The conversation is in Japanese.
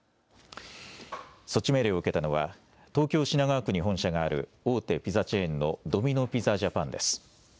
措置命令を受けたのは東京品川区に本社がある大手ピザチェーンのドミノ・ピザジャパンです。